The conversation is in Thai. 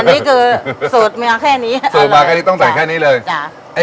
อันนี้คือสูตรเมียแค่นี้สูตรมาแค่นี้ต้องสั่งแค่นี้เลยจ้ะ